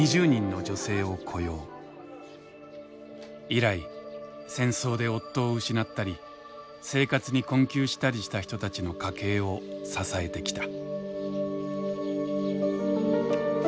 以来戦争で夫を失ったり生活に困窮したりした人たちの家計を支えてきた。